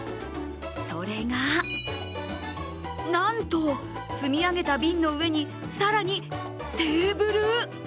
それがなんと、積み上げた瓶の上に更にテーブル？